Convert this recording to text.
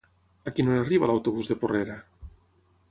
A quina hora arriba l'autobús de Porrera?